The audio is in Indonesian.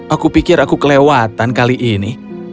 aku pikir aku kelewatan kali ini